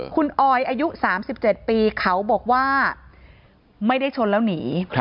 คุณออยอายุ๓๗ปีเขาบอกว่าไม่ได้ชนแล้วหนี